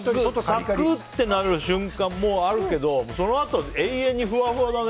サクッとなる瞬間もあるけどそのあと、永遠にふわふわだね。